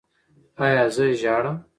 ایا زه ژاړم؟